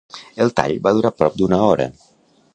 El tall va durar prop d'una hora.